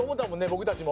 僕たちも。